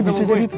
bisa jadi tuh